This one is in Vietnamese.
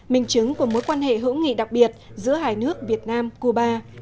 minh chứng của mối quan hệ hữu nghị đặc biệt giữa hai nước việt nam cô ba